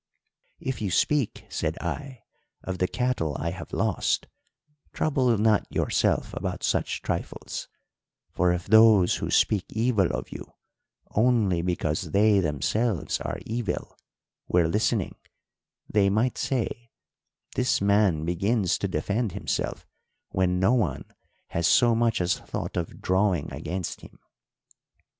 "'If you speak,' said I, 'of the cattle I have lost, trouble not yourself about such trifles; for if those who speak evil of you, only because they themselves are evil, were listening, they might say, This man begins to defend himself when no one has so much as thought of drawing against him.'